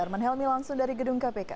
arman helmi langsung dari gedung kpk